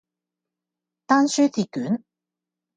丹書鐵券